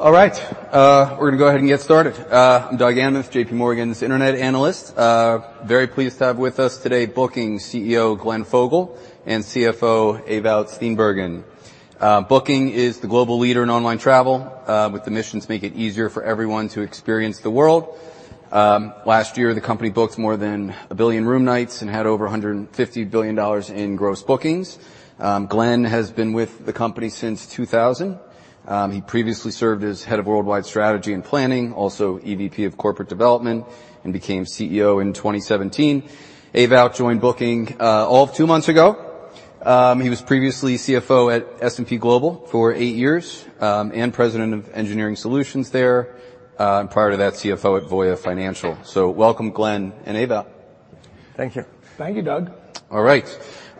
All right, we're gonna go ahead and get started. I'm Doug Anmuth, JPMorgan's internet analyst. Very pleased to have with us today, Booking CEO, Glenn Fogel, and CFO, Ewout Steenbergen. Booking is the global leader in online travel, with the mission to make it easier for everyone to experience the world. Last year, the company booked more than 1 billion room nights and had over $150 billion in gross bookings. Glenn has been with the company since 2000. He previously served as head of Worldwide Strategy and Planning, also EVP of Corporate Development, and became CEO in 2017. Ewout joined Booking, all of two months ago. He was previously CFO at S&P Global for 8 years, and President of Engineering Solutions there, and prior to that, CFO at Voya Financial. Welcome, Glenn and Ewout. Thank you. Thank you, Doug. All right.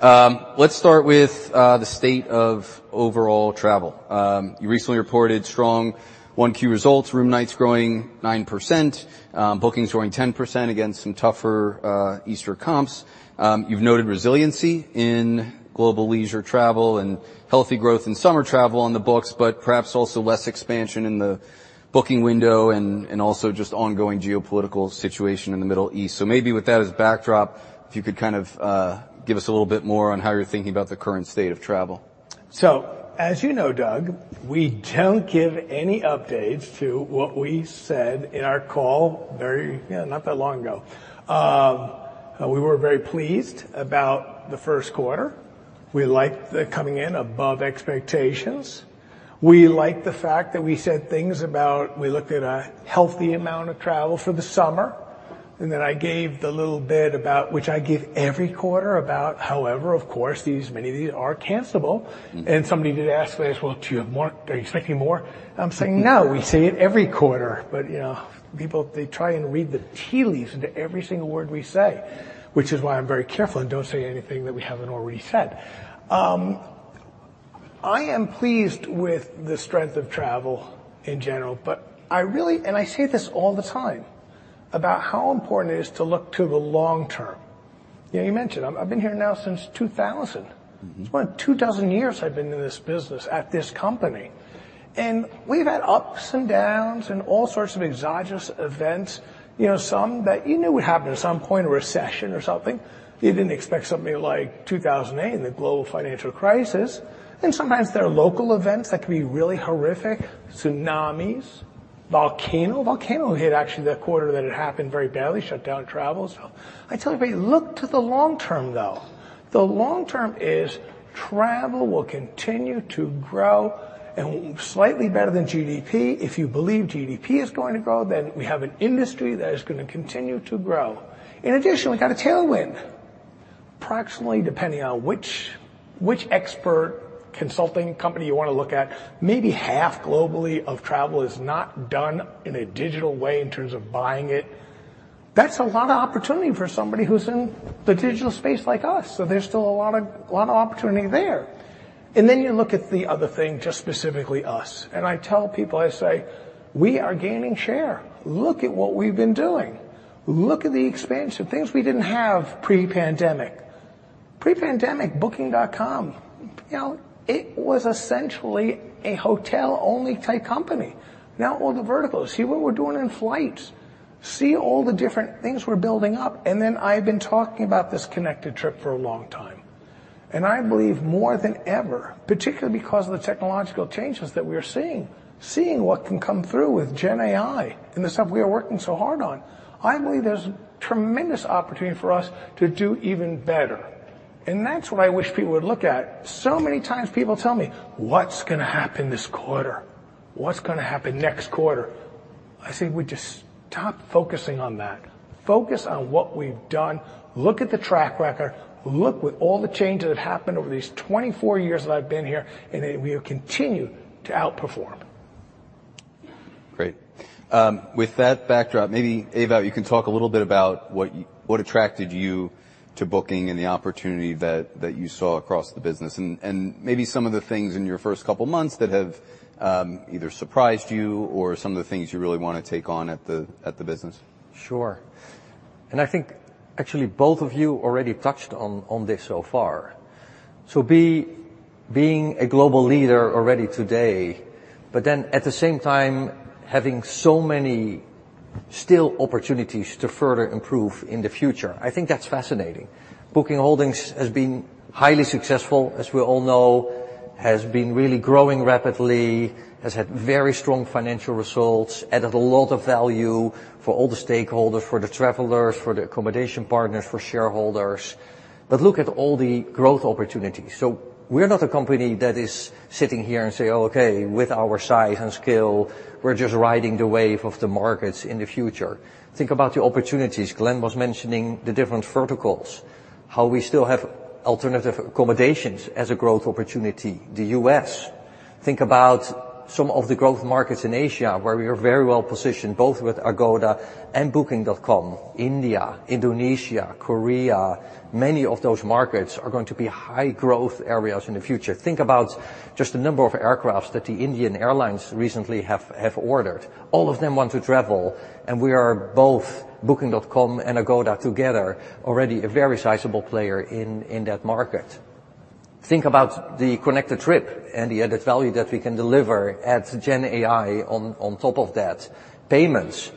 Let's start with the state of overall travel. You recently reported strong 1Q results, room nights growing 9%, bookings growing 10% against some tougher Easter comps. You've noted resiliency in global leisure travel and healthy growth in summer travel on the books, but perhaps also less expansion in the booking window and, and also just ongoing geopolitical situation in the Middle East. So maybe with that as backdrop, if you could kind of give us a little bit more on how you're thinking about the current state of travel. So, as you know, Doug, we don't give any updates to what we said in our call very, yeah, not that long ago. We were very pleased about the first quarter. We liked the coming in above expectations. We liked the fact that we said things about, we looked at a healthy amount of travel for the summer, and then I gave the little bit about, which I give every quarter, about however, of course, these, many of these are cancelable. Mm-hmm. And somebody did ask me, "Well, do you have more? Are you expecting more?" I'm saying, "No, we say it every quarter." But, you know, people, they try and read the tea leaves into every single word we say, which is why I'm very careful and don't say anything that we haven't already said. I am pleased with the strength of travel in general, but I really... And I say this all the time about how important it is to look to the long term. You know, you mentioned, I've been here now since 2000. Mm-hmm. It's been 2000 years I've been in this business at this company, and we've had ups and downs and all sorts of exogenous events, you know, some that you knew would happen at some point, a recession or something. You didn't expect something like 2008, and the global financial crisis. Sometimes there are local events that can be really horrific, tsunamis, volcano. Volcano hit actually that quarter that it happened very badly, shut down travel. I tell everybody, "Look to the long term, though." The long term is travel will continue to grow and slightly better than GDP. If you believe GDP is going to grow, then we have an industry that is gonna continue to grow. In addition, we got a tailwind. Approximately, depending on which expert consulting company you wanna look at, maybe half globally of travel is not done in a digital way in terms of buying it. That's a lot of opportunity for somebody who's in the digital space like us. So there's still a lot of opportunity there. And then you look at the other thing, just specifically us. And I tell people, I say, "We are gaining share. Look at what we've been doing. Look at the expansion, things we didn't have pre-pandemic." Pre-pandemic, Booking.com, you know, it was essentially a hotel-only type company. Now all the verticals, see what we're doing in flights. See all the different things we're building up. And then I've been talking about this Connected Trip for a long time. I believe more than ever, particularly because of the technological changes that we are seeing, seeing what can come through with Gen AI and the stuff we are working so hard on, I believe there's tremendous opportunity for us to do even better. That's what I wish people would look at. So many times people tell me, "What's gonna happen this quarter? What's gonna happen next quarter?" I say, "Would you stop focusing on that? Focus on what we've done. Look at the track record. Look with all the changes that happened over these 24 years that I've been here, and then we have continued to outperform. Great. With that backdrop, maybe, Ewout, you can talk a little bit about what attracted you to Booking and the opportunity that you saw across the business. And maybe some of the things in your first couple months that have either surprised you or some of the things you really wanna take on at the business. Sure. And I think actually both of you already touched on, on this so far. So being a global leader already today, but then at the same time, having so many still opportunities to further improve in the future, I think that's fascinating. Booking Holdings has been highly successful, as we all know, has been really growing rapidly, has had very strong financial results, added a lot of value for all the stakeholders, for the travelers, for the accommodation partners, for shareholders. But look at all the growth opportunities. So we're not a company that is sitting here and say, "Okay, with our size and scale, we're just riding the wave of the markets in the future." Think about the opportunities. Glenn was mentioning the different verticals, how we still have alternative accommodations as a growth opportunity. The U.S., think about some of the growth markets in Asia, where we are very well positioned, both with Agoda and Booking.com. India, Indonesia, Korea, many of those markets are going to be high growth areas in the future. Think about just the number of aircraft that the Indian airlines recently have ordered. All of them want to travel, and we, Booking.com and Agoda together, are already a very sizable player in that market. Think about the Connected Trip and the added value that we can deliver, add Gen AI on top of that. Payments,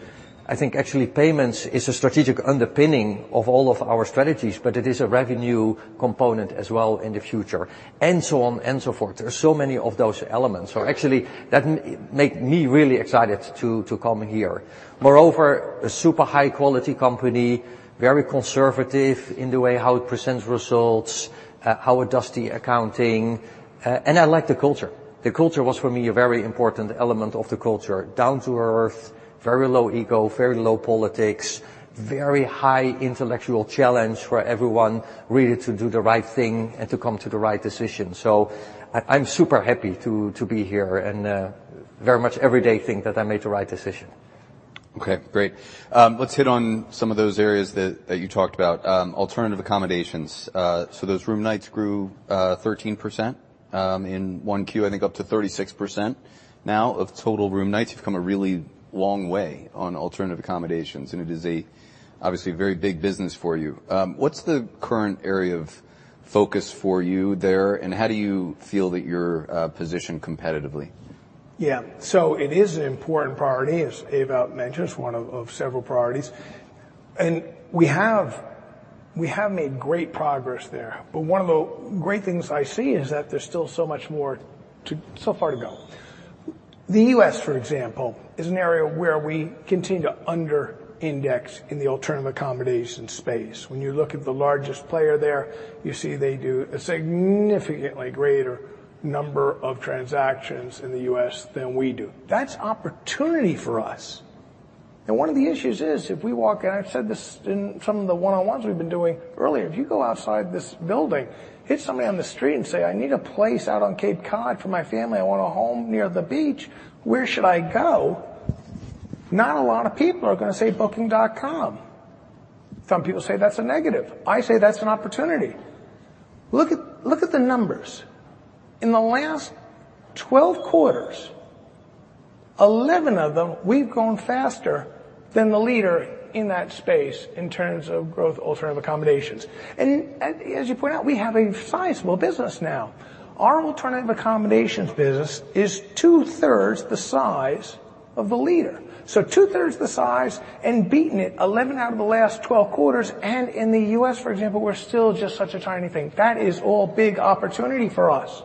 I think actually payments is a strategic underpinning of all of our strategies, but it is a revenue component as well in the future, and so on and so forth. There are so many of those elements. So actually, that makes me really excited to come here. Moreover, a super high quality company, very conservative in the way how it presents results, how it does the accounting, and I like the culture. The culture was, for me, a very important element of the culture. Down to earth, very low ego, very low politics, very high intellectual challenge for everyone really to do the right thing and to come to the right decision. So I'm super happy to be here and very much every day think that I made the right decision. Okay, great. Let's hit on some of those areas that you talked about. Alternative accommodations. So those room nights grew 13% in 1Q, I think up to 36%. Now, of total room nights, you've come a really long way on alternative accommodations, and it is obviously a very big business for you. What's the current area of focus for you there, and how do you feel that you're positioned competitively? Yeah. So it is an important priority, as Ewout mentioned. It's one of, of several priorities, and we have, we have made great progress there. But one of the great things I see is that there's still so much more to... so far to go. The U.S., for example, is an area where we continue to under index in the alternative accommodation space. When you look at the largest player there, you see they do a significantly greater number of transactions in the U.S. than we do. That's opportunity for us, and one of the issues is if we walk, and I've said this in some of the one-on-ones we've been doing earlier, if you go outside this building, hit somebody on the street and say, "I need a place out on Cape Cod for my family. I want a home near the beach. Where should I go?" Not a lot of people are gonna say Booking.com. Some people say that's a negative. I say that's an opportunity. Look at, look at the numbers. In the last 12 quarters, 11 of them, we've grown faster than the leader in that space in terms of growth alternative accommodations. And, and as you point out, we have a sizable business now. Our alternative accommodations business is two-thirds the size of the leader, so two-thirds the size and beaten it 11 out of the last 12 quarters, and in the US, for example, we're still just such a tiny thing. That is all big opportunity for us.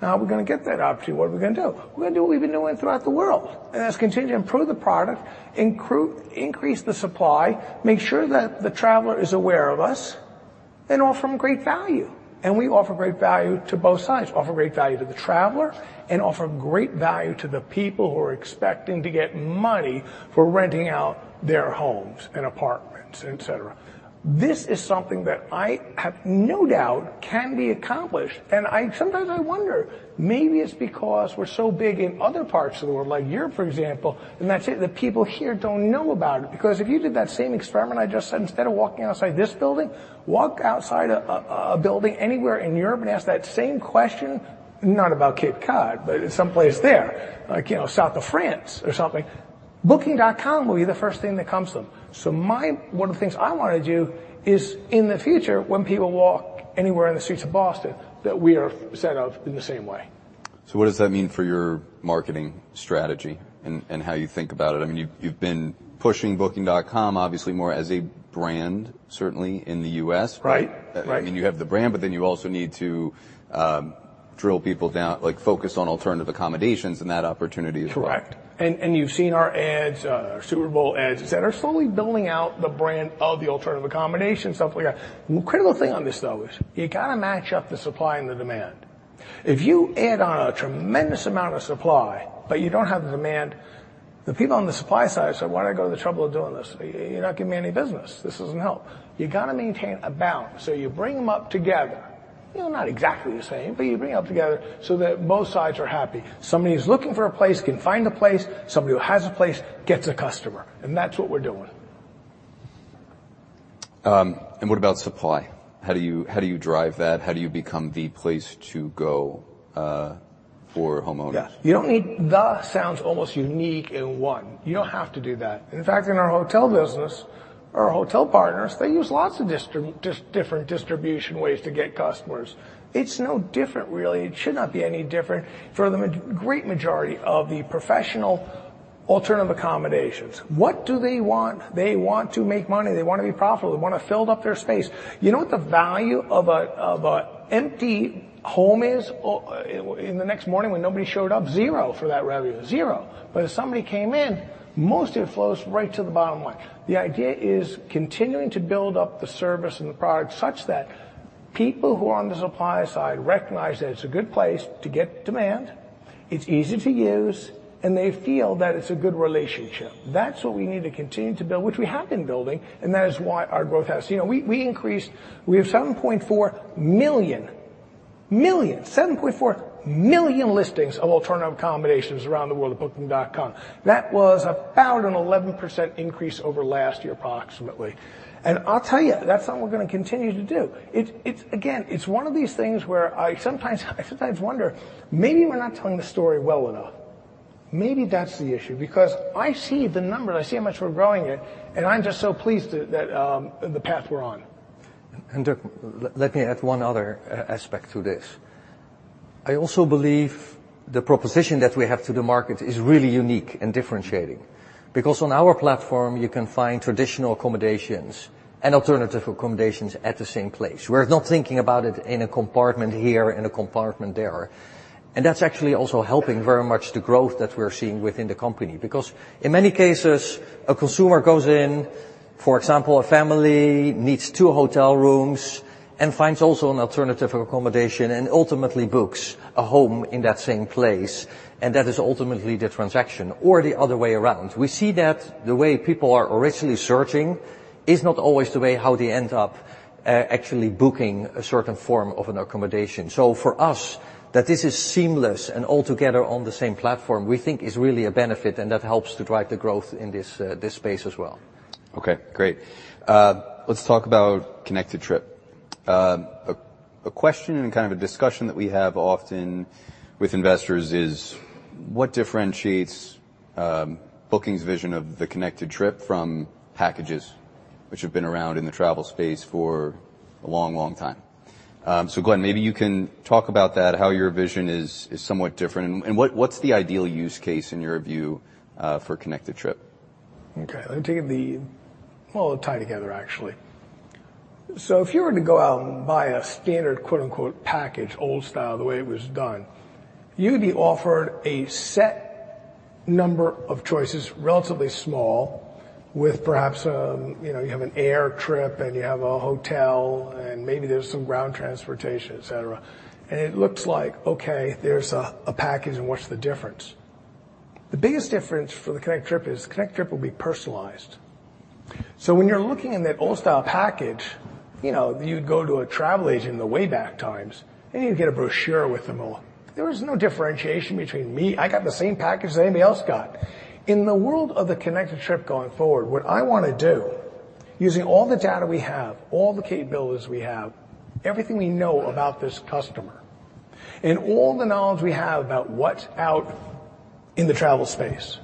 Now, how are we gonna get that opportunity? What are we gonna do? We're gonna do what we've been doing throughout the world, and that's continue to improve the product, increase the supply, make sure that the traveler is aware of us, and offer them great value. And we offer great value to both sides, offer great value to the traveler, and offer great value to the people who are expecting to get money for renting out their homes and apartments, et cetera. This is something that I have no doubt can be accomplished, and sometimes I wonder, maybe it's because we're so big in other parts of the world, like Europe, for example, and that's it, the people here don't know about it. Because if you did that same experiment I just said, instead of walking outside this building, walk outside a building anywhere in Europe and ask that same question, not about Cape Cod, but someplace there, like, you know, south of France or something, Booking.com will be the first thing that comes to them. So my... One of the things I wanna do is, in the future, when people walk anywhere in the streets of Boston, that we are said of in the same way. So what does that mean for your marketing strategy and how you think about it? I mean, you've been pushing Booking.com obviously more as a brand, certainly in the U.S. Right. Right. I mean, you have the brand, but then you also need to drill people down, like focus on alternative accommodations and that opportunity as well. Correct. And you've seen our ads, Super Bowl ads, et cetera, slowly building out the brand of the alternative accommodation stuff we got. The critical thing on this, though, is you gotta match up the supply and the demand. If you add on a tremendous amount of supply, but you don't have the demand, the people on the supply side say, "Why did I go to the trouble of doing this? You're not giving me any business. This doesn't help." You gotta maintain a balance, so you bring them up together. You know, not exactly the same, but you bring them up together so that both sides are happy. Somebody who's looking for a place can find a place, somebody who has a place gets a customer, and that's what we're doing. What about supply? How do you, how do you drive that? How do you become the place to go for homeowners? Yeah. You don't need... It sounds almost unique in one. You don't have to do that. In fact, in our hotel business, our hotel partners, they use lots of different distribution ways to get customers. It's no different really. It should not be any different for the great majority of the professional alternative accommodations. What do they want? They want to make money. They want to be profitable. They want to fill up their space. You know what the value of a, of a empty home is in the next morning when nobody showed up? Zero for that revenue. Zero. But if somebody came in, most of it flows right to the bottom line. The idea is continuing to build up the service and the product such that people who are on the supply side recognize that it's a good place to get demand, it's easy to use, and they feel that it's a good relationship. That's what we need to continue to build, which we have been building, and that is why our growth has... You know, we increased. We have 7.4 million listings of alternative accommodations around the world at Booking.com. That was about an 11% increase over last year, approximately. And I'll tell you, that's something we're gonna continue to do. It's again one of these things where I sometimes wonder, maybe we're not telling the story well enough... maybe that's the issue, because I see the numbers, I see how much we're growing it, and I'm just so pleased that the path we're on. Let me add one other aspect to this. I also believe the proposition that we have to the market is really unique and differentiating, because on our platform, you can find traditional accommodations and alternative accommodations at the same place. We're not thinking about it in a compartment here, in a compartment there, and that's actually also helping very much the growth that we're seeing within the company. Because in many cases, a consumer goes in, for example, a family needs two hotel rooms and finds also an alternative accommodation and ultimately books a home in that same place, and that is ultimately the transaction or the other way around. We see that the way people are originally searching is not always the way how they end up actually booking a certain form of an accommodation. So for us, that this is seamless and altogether on the same platform, we think is really a benefit, and that helps to drive the growth in this, this space as well. Okay, great. Let's talk about connected trip. A question and kind of a discussion that we have often with investors is: What differentiates Booking's vision of the connected trip from packages which have been around in the travel space for a long, long time? So Glenn, maybe you can talk about that, how your vision is somewhat different, and what's the ideal use case in your view for connected trip? Okay, let me take it... Well, it ties together, actually. So if you were to go out and buy a standard, quote, unquote, "package," old style, the way it was done, you'd be offered a set number of choices, relatively small, with perhaps, you know, you have an air trip, and you have a hotel, and maybe there's some ground transportation, et cetera. And it looks like, okay, there's a package, and what's the difference? The biggest difference for the connected trip is connected trip will be personalized. So when you're looking in that old style package, you know, you go to a travel agent in the way back times, and you get a brochure with them all. There was no differentiation between me. I got the same package that anybody else got. In the world of the connected trip going forward, what I wanna do, using all the data we have, all the capabilities we have, everything we know about this customer, and all the knowledge we have about what's out in the travel space,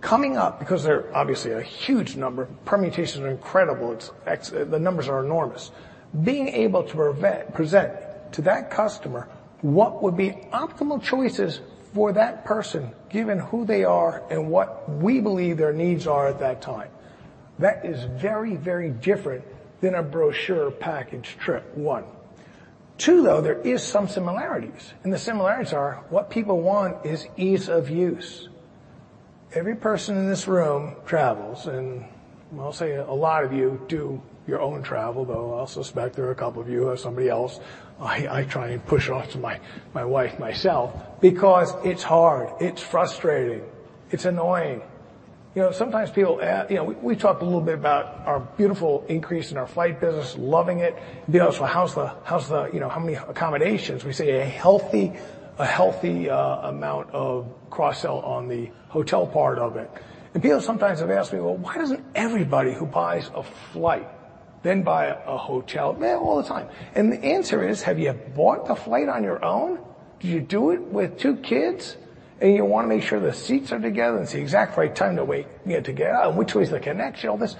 coming up, because there are obviously a huge number, permutations are incredible, the numbers are enormous. Being able to present to that customer what would be optimal choices for that person, given who they are and what we believe their needs are at that time, that is very, very different than a brochure package trip, one. Two, though, there is some similarities, and the similarities are, what people want is ease of use. Every person in this room travels, and I'll say a lot of you do your own travel, though I also suspect there are a couple of you have somebody else. I try and push it off to my wife, myself, because it's hard, it's frustrating, it's annoying. You know, sometimes people, you know, we talked a little bit about our beautiful increase in our flight business, loving it. People go: "So how's the - how's the, you know, how many accommodations?" We say a healthy amount of cross-sell on the hotel part of it. And people sometimes have asked me: "Well, why doesn't everybody who buys a flight then buy a hotel?" Man, all the time. And the answer is, have you bought the flight on your own? Do you do it with two kids, and you wanna make sure the seats are together, it's the exact right time to wait, you know, to get out, which way is the connection, all this?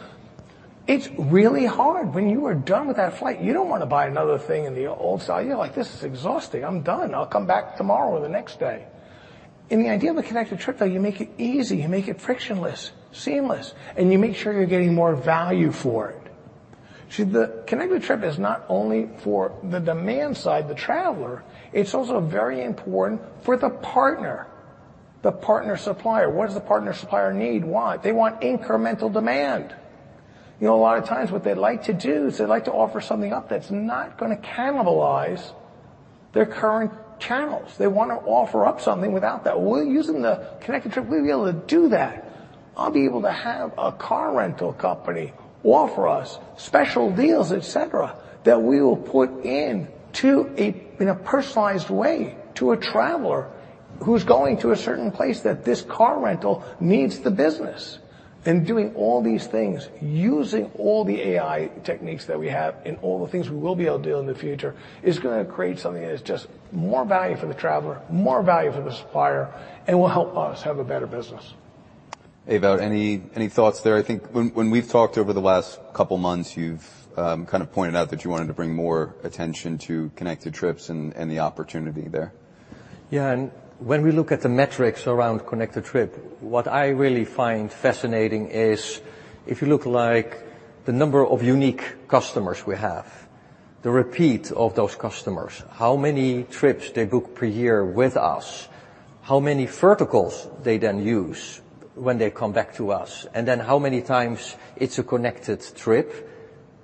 It's really hard. When you are done with that flight, you don't wanna buy another thing in the old style. You're like: "This is exhausting. I'm done. I'll come back tomorrow or the next day." And the idea of a Connected Trip, though, you make it easy, you make it frictionless, seamless, and you make sure you're getting more value for it. See, the Connected Trip is not only for the demand side, the traveler, it's also very important for the partner, the partner supplier. What does the partner supplier need? What? They want incremental demand. You know, a lot of times, what they like to do is they like to offer something up that's not gonna cannibalize their current channels. They wanna offer up something without that. Well, using the Connected Trip, we'll be able to do that. I'll be able to have a car rental company offer us special deals, et cetera, that we will put into a personalized way to a traveler who's going to a certain place that this car rental needs the business. And doing all these things, using all the AI techniques that we have and all the things we will be able to do in the future, is gonna create something that is just more value for the traveler, more value for the supplier, and will help us have a better business. Ewout, any thoughts there? I think when we've talked over the last couple months, you've kind of pointed out that you wanted to bring more attention to connected trips and the opportunity there. Yeah, and when we look at the metrics around Connected Trip, what I really find fascinating is, if you look like the number of unique customers we have, the repeat of those customers, how many trips they book per year with us, how many verticals they then use when they come back to us, and then how many times it's a Connected Trip,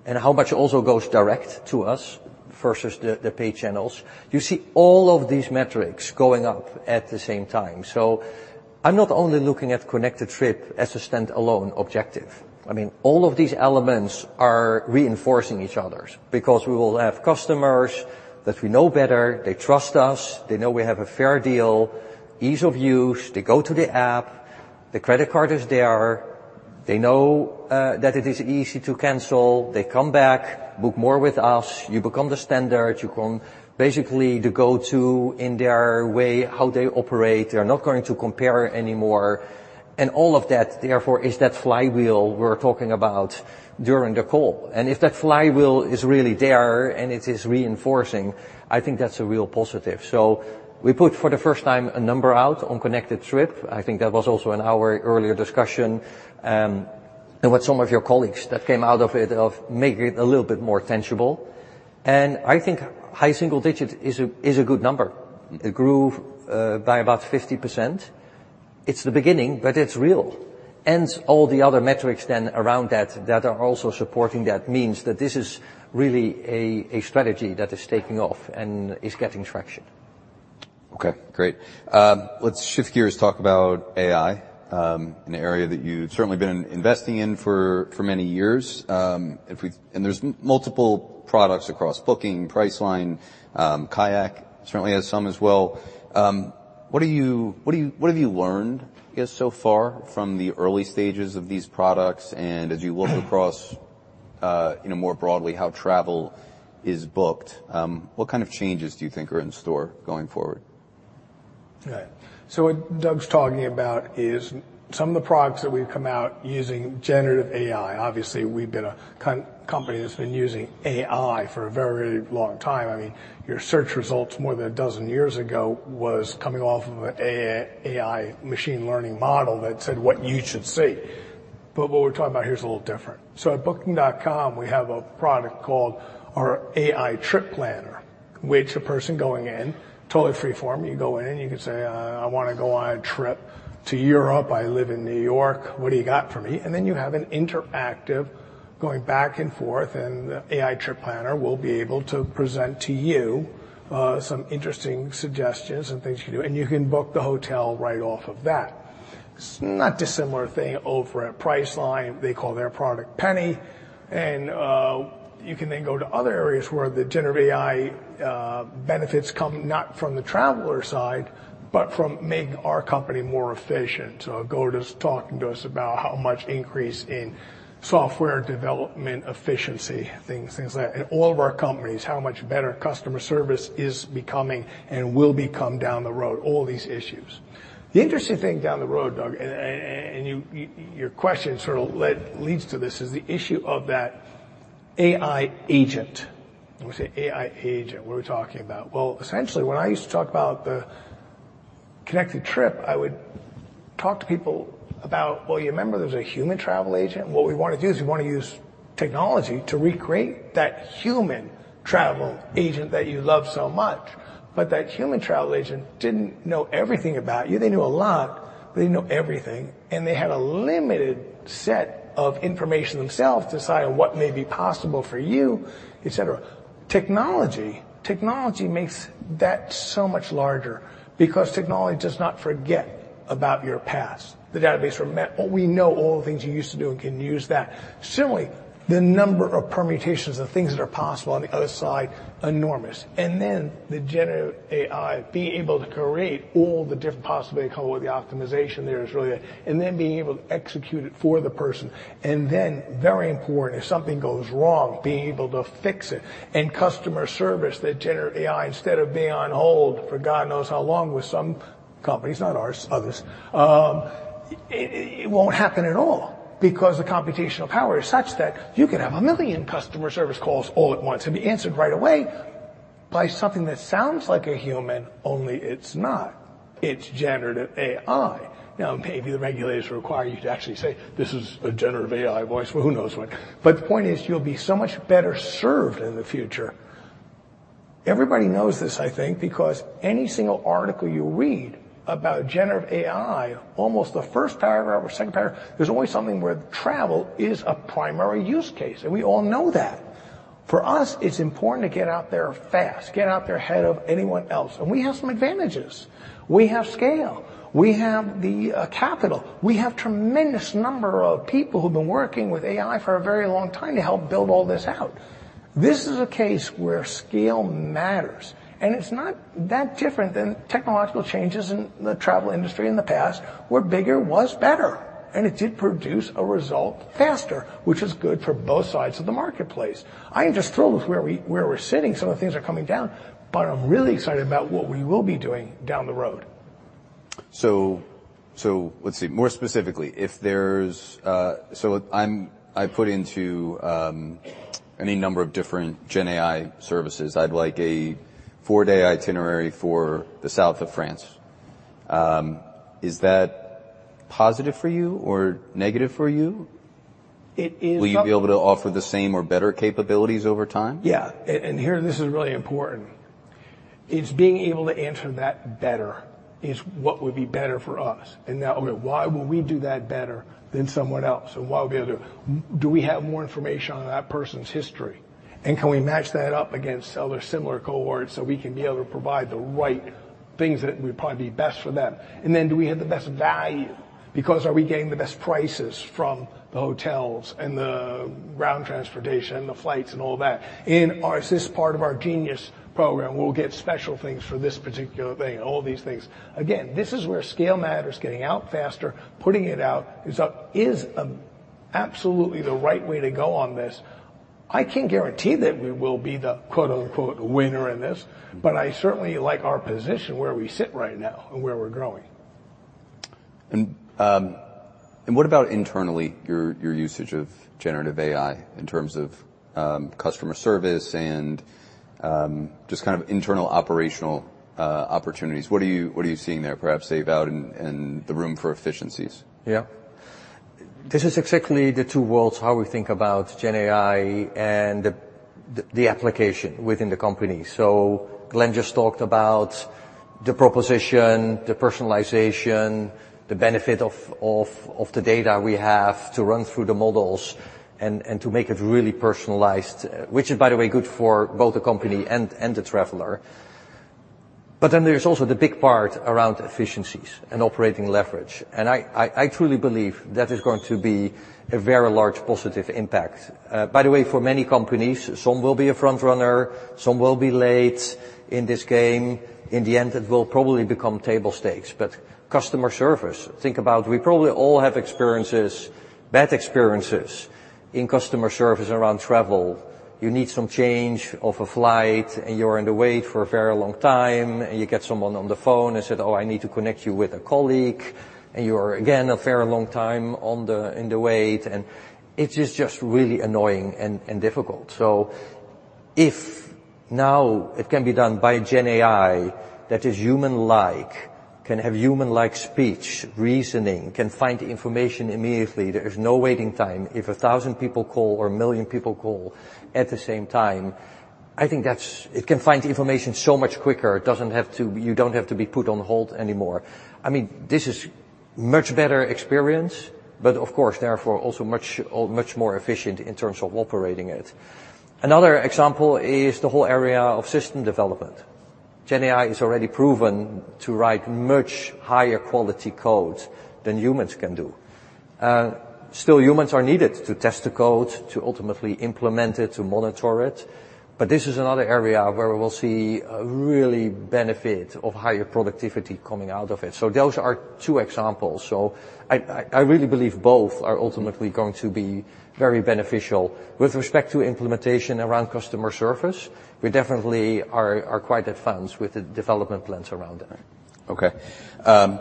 and how much also goes direct to us versus the, the pay channels, you see all of these metrics going up at the same time. So I'm not only looking at Connected Trip as a standalone objective. I mean, all of these elements are reinforcing each other because we will have customers that we know better, they trust us, they know we have a fair deal, ease of use, they go to the app, the credit card is there-... They know that it is easy to cancel. They come back, book more with us. You become the standard. You become basically the go-to in their way, how they operate. They are not going to compare anymore. And all of that, therefore, is that flywheel we were talking about during the call. And if that flywheel is really there, and it is reinforcing, I think that's a real positive. So we put, for the first time, a number out on Connected Trip. I think that was also in our earlier discussion, and with some of your colleagues, that came out of it, of making it a little bit more tangible. And I think high single digits is a good number. It grew by about 50%. It's the beginning, but it's real. All the other metrics then around that, that are also supporting that means that this is really a, a strategy that is taking off and is getting traction. Okay, great. Let's shift gears, talk about AI, an area that you've certainly been investing in for many years. If we and there's multiple products across Booking, Priceline, Kayak certainly has some as well. What have you learned, I guess, so far from the early stages of these products? And as you look across, you know, more broadly, how travel is booked, what kind of changes do you think are in store going forward? Right. So what Doug's talking about is some of the products that we've come out using generative AI. Obviously, we've been a company that's been using AI for a very long time. I mean, your search results more than a dozen years ago was coming off of a AI machine learning model that said what you should see. But what we're talking about here is a little different. So at Booking.com, we have a product called our AI Trip Planner, which a person going in, totally free form, you go in, you can say, "I wanna go on a trip to Europe. I live in New York. What do you got for me?" And then you have an interactive going back and forth, and the AI Trip Planner will be able to present to you some interesting suggestions and things you can do, and you can book the hotel right off of that. It's not dissimilar thing over at Priceline. They call their product Penny. And you can then go to other areas where the generative AI benefits come not from the traveler side, but from making our company more efficient. So Agoda's talking to us about how much increase in software development, efficiency, things, things like that. In all of our companies, how much better customer service is becoming and will become down the road, all these issues. The interesting thing down the road, Doug, and you, your question sort of leads to this, is the issue of that AI agent. When we say AI agent, what are we talking about? Well, essentially, when I used to talk about the connected trip, I would talk to people about, well, you remember, there's a human travel agent. What we wanna do is we wanna use technology to recreate that human travel agent that you love so much. But that human travel agent didn't know everything about you. They knew a lot, but they didn't know everything, and they had a limited set of information themselves to decide on what may be possible for you, et cetera. Technology makes that so much larger because technology does not forget about your past. The database remember... We know all the things you used to do and can use that. Similarly, the number of permutations of things that are possible on the other side, enormous. And then the generative AI, being able to create all the different possibilities, come up with the optimization there is really... And then being able to execute it for the person, and then, very important, if something goes wrong, being able to fix it. And customer service, that generative AI, instead of being on hold for God knows how long with some companies, not ours, others, it won't happen at all because the computational power is such that you can have 1 million customer service calls all at once and be answered right away by something that sounds like a human, only it's not. It's generative AI. Now, maybe the regulators require you to actually say, "This is a generative AI voice," well, who knows what? But the point is you'll be so much better served in the future. Everybody knows this, I think, because any single article you read about generative AI, almost the first paragraph or second paragraph, there's always something where travel is a primary use case, and we all know that. For us, it's important to get out there fast, get out there ahead of anyone else. And we have some advantages. We have scale. We have the capital. We have tremendous number of people who've been working with AI for a very long time to help build all this out. This is a case where scale matters, and it's not that different than technological changes in the travel industry in the past, where bigger was better, and it did produce a result faster, which is good for both sides of the marketplace. I am just thrilled with where we're sitting, some of the things are coming down, but I'm really excited about what we will be doing down the road. So, let's see. More specifically, if there's. So I put into any number of different gen AI services. I'd like a four-day itinerary for the South of France. Is that positive for you or negative for you? It is- Will you be able to offer the same or better capabilities over time? Yeah, and here, this is really important. It's being able to answer that better is what would be better for us. And now, why would we do that better than someone else, and what we are able to do? Do we have more information on that person's history, and can we match that up against other similar cohorts so we can be able to provide the right things that would probably be best for them? And then do we have the best value? Because are we getting the best prices from the hotels and the ground transportation, the flights and all that? And is this part of our Genius program, we'll get special things for this particular thing, all these things. Again, this is where scale matters. Getting out faster, putting it out is absolutely the right way to go on this. I can't guarantee that we will be the, quote-unquote, winner in this, but I certainly like our position where we sit right now and where we're growing. What about internally, your usage of generative AI in terms of customer service and just kind of internal operational opportunities? What are you seeing there, perhaps carve out room for efficiencies? Yeah. This is exactly the two worlds, how we think about Gen AI and the application within the company. So Glenn just talked about the proposition, the personalization, the benefit of the data we have to run through the models and to make it really personalized, which is, by the way, good for both the company and the traveler. But then there's also the big part around efficiencies and operating leverage, and I truly believe that is going to be a very large positive impact. By the way, for many companies, some will be a front runner, some will be late in this game. In the end, it will probably become table stakes. But customer service, think about, we probably all have experiences, bad experiences in customer service around travel. You need some change of a flight, and you're in the wait for a very long time, and you get someone on the phone and said, "Oh, I need to connect you with a colleague." And you are, again, a very long time on the in the wait, and it is just really annoying and, and difficult. So if now it can be done by Gen AI that is human-like, can have human-like speech, reasoning, can find information immediately, there is no waiting time. If 1,000 people call or 1,000,000 people call at the same time, I think that's it can find information so much quicker. It doesn't have to You don't have to be put on hold anymore. I mean, this is much better experience, but of course, therefore, also much, much more efficient in terms of operating it. Another example is the whole area of system development. Gen AI is already proven to write much higher quality code than humans can do. Still, humans are needed to test the code, to ultimately implement it, to monitor it, but this is another area where we will see a really benefit of higher productivity coming out of it. So those are two examples. So I really believe both are ultimately going to be very beneficial. With respect to implementation around customer service, we definitely are quite advanced with the development plans around it. Okay.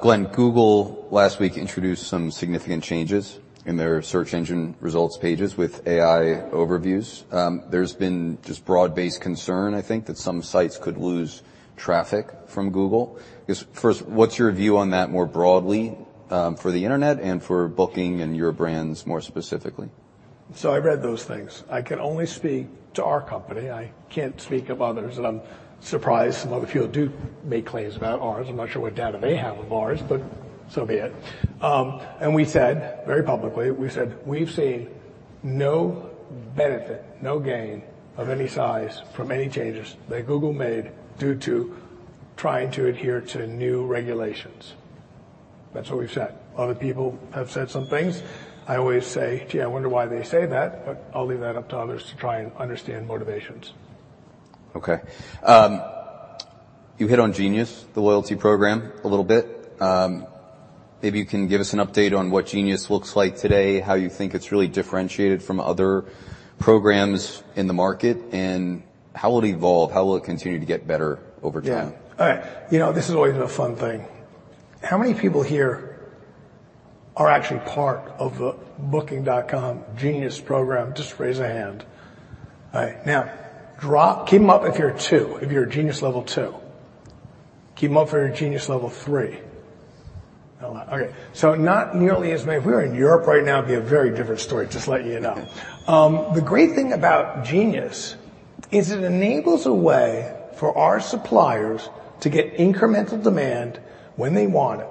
Glenn, Google last week introduced some significant changes in their search engine results pages with AI Overviews. There's been just broad-based concern, I think, that some sites could lose traffic from Google. Just first, what's your view on that more broadly, for the internet and for Booking and your brands more specifically? So I read those things. I can only speak to our company. I can't speak of others, and I'm surprised some other people do make claims about ours. I'm not sure what data they have of ours, but so be it. And we said, very publicly, we said we've seen no benefit, no gain of any size from any changes that Google made due to trying to adhere to new regulations. That's what we've said. Other people have said some things. I always say, "Gee, I wonder why they say that," but I'll leave that up to others to try and understand motivations. Okay. You hit on Genius, the loyalty program, a little bit. Maybe you can give us an update on what Genius looks like today, how you think it's really differentiated from other programs in the market, and how will it evolve? How will it continue to get better over time? Yeah. All right. You know, this is always a fun thing. How many people here are actually part of the Booking.com Genius program? Just raise a hand. All right. Now, keep them up if you're two, if you're a Genius level two. Keep them up if you're a Genius level three. A lot. Okay, so not nearly as many. If we were in Europe right now, it'd be a very different story, just letting you know. The great thing about Genius is it enables a way for our suppliers to get incremental demand when they want it.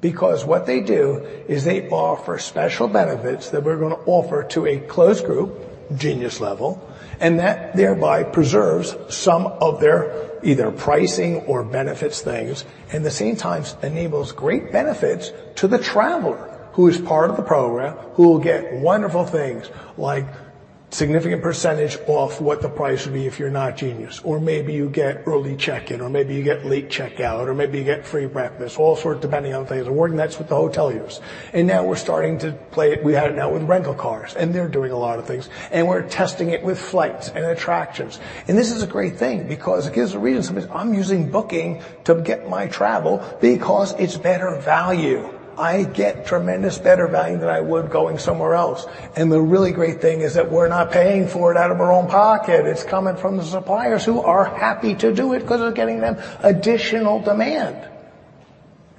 Because what they do is they offer special benefits that we're gonna offer to a closed group, Genius level, and that thereby preserves some of their either pricing or benefits things, and at the same time enables great benefits to the traveler, who is part of the program, who will get wonderful things, like significant percentage off what the price would be if you're not Genius, or maybe you get early check-in, or maybe you get late check-out, or maybe you get free breakfast, all sorts, depending on things, and working that with the hoteliers. And now we're starting to pilot it. We have it now with rental cars, and they're doing a lot of things, and we're testing it with flights and attractions. And this is a great thing because it gives a reason. Somebody, I'm using Booking to get my travel because it's better value.I get tremendous better value than I would going somewhere else. And the really great thing is that we're not paying for it out of our own pocket. It's coming from the suppliers who are happy to do it because it's getting them additional demand.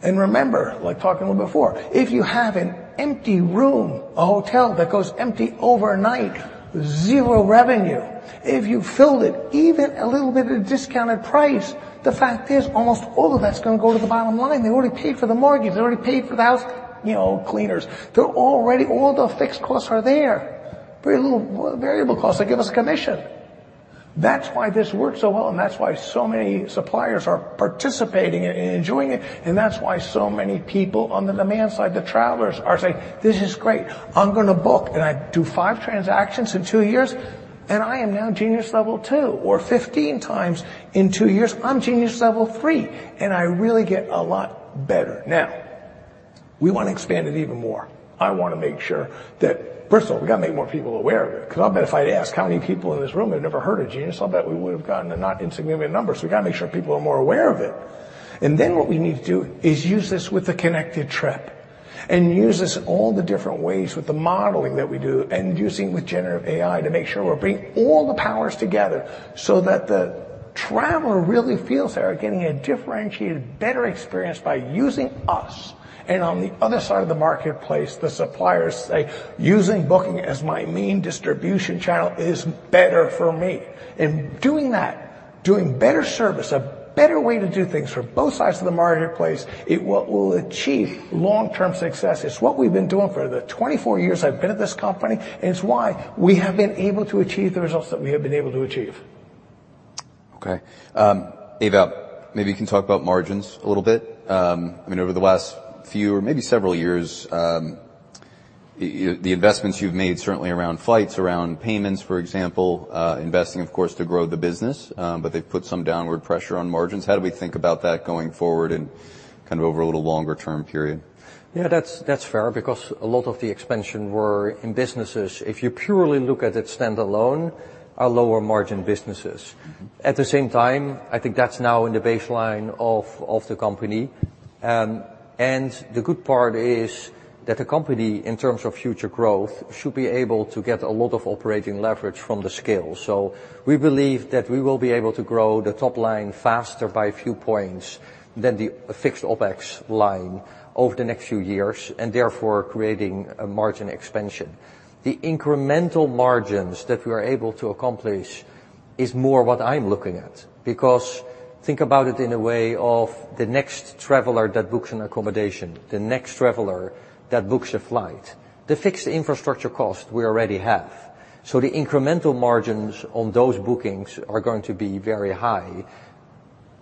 And remember, like talking about before, if you have an empty room, a hotel that goes empty overnight, zero revenue. If you filled it even a little bit of discounted price, the fact is, almost all of that's gonna go to the bottom line. They already paid for the mortgage. They already paid for the house, you know, cleaners. They're already all the fixed costs are there. Very little variable costs. They give us a commission. That's why this works so well, and that's why so many suppliers are participating and, and enjoying it, and that's why so many people on the demand side, the travelers, are saying, "This is great. I'm gonna book, and I do five transactions in two years, and I am now Genius level two, or 15 times in two years, I'm Genius level three, and I really get a lot better now."... We want to expand it even more. I want to make sure that, first of all, we got to make more people aware of it, 'cause I'll bet if I'd ask how many people in this room have never heard of Genius, I'll bet we would have gotten a not insignificant number. So we got to make sure people are more aware of it. And then what we need to do is use this with a Connected Trip, and use this in all the different ways with the modeling that we do, and using with generative AI to make sure we're bringing all the powers together so that the traveler really feels they are getting a differentiated, better experience by using us. And on the other side of the marketplace, the suppliers say, "Using Booking as my main distribution channel is better for me." And doing that, doing better service, a better way to do things for both sides of the marketplace, it what will achieve long-term success. It's what we've been doing for the 24 years I've been at this company, and it's why we have been able to achieve the results that we have been able to achieve. Okay. Ewout, maybe you can talk about margins a little bit. I mean, over the last few or maybe several years, the investments you've made, certainly around flights, around payments, for example, investing, of course, to grow the business, but they've put some downward pressure on margins. How do we think about that going forward and kind of over a little longer term period? Yeah, that's, that's fair, because a lot of the expansion were in businesses, if you purely look at it standalone, are lower margin businesses. At the same time, I think that's now in the baseline of the company. And the good part is that the company, in terms of future growth, should be able to get a lot of operating leverage from the scale. So we believe that we will be able to grow the top line faster by a few points than the fixed OpEx line over the next few years, and therefore creating a margin expansion. The incremental margins that we are able to accomplish is more what I'm looking at, because think about it in a way of the next traveler that books an accommodation, the next traveler that books a flight. The fixed infrastructure cost we already have, so the incremental margins on those bookings are going to be very high,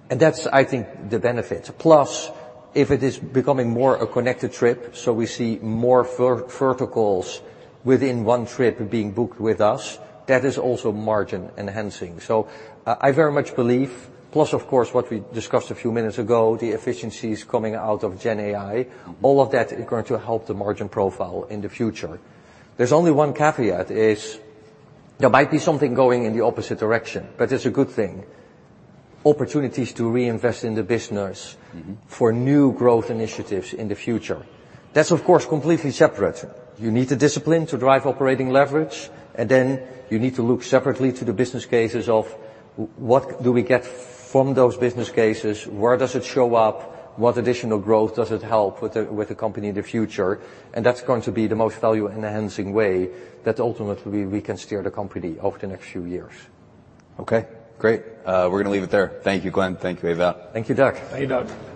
and that's, I think, the benefit. Plus, if it is becoming more a Connected Trip, so we see more verticals within one trip being booked with us, that is also margin-enhancing. So I very much believe, plus, of course, what we discussed a few minutes ago, the efficiencies coming out of Gen AI, all of that is going to help the margin profile in the future. There's only one caveat. There might be something going in the opposite direction, but it's a good thing. Opportunities to reinvest in the business. Mm-hmm. For new growth initiatives in the future. That's, of course, completely separate. You need the discipline to drive operating leverage, and then you need to look separately to the business cases of what do we get from those business cases? Where does it show up? What additional growth does it help with the, with the company in the future? And that's going to be the most value-enhancing way that ultimately we can steer the company over the next few years. Okay, great. We're gonna leave it there. Thank you, Glenn. Thank you, Ivar. Thank you, Doug. Thank you, Doug.